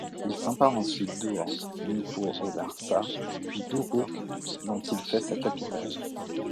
Il s'empare ensuite d'Ur, Nippur et Larsa puis d'Uruk, dont il fait sa capitale.